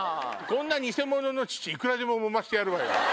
こんな偽物の乳いくらでも揉ませてやるわよ。